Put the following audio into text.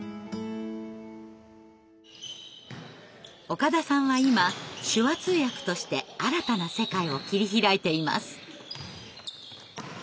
岡田さんは今手話通訳として新たな世界を切り開いています。